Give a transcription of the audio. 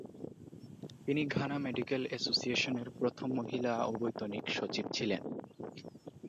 তিনি Ghana medical অ্যাসোসিয়েশনের প্রথম মহিলা অবৈতনিক সচিব ছিলেন।